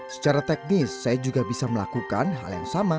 secara teknis saya juga bisa melakukan hal yang sama